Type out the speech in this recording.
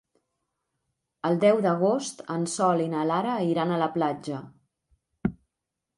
El deu d'agost en Sol i na Lara iran a la platja.